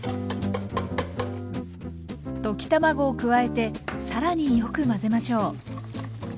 溶き卵を加えて更によく混ぜましょう。